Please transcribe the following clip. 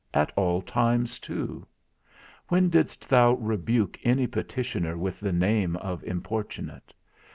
At all times too. When didst thou rebuke any petitioner with the name of importunate?